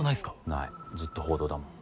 ないずっと報道だもん。